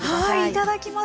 いただきます。